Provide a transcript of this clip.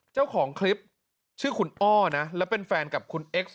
เจ้าของคลิปชื่อคุณอ้อนะแล้วเป็นแฟนกับคุณเอ็กซ